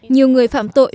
nhiều người phạm tội